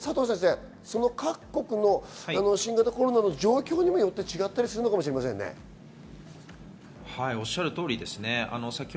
各国の新型コロナの状況にもよって違ったりするのかもしれませんおっしゃる通りですね。